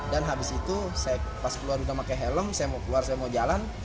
dan habis itu pas keluar udah pakai helm saya mau keluar saya mau jalan